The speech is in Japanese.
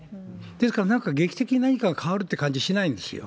ですから、なんか劇的に何かが変わるって感じしないんですよ。